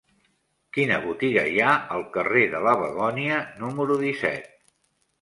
Quina botiga hi ha al carrer de la Begònia número disset?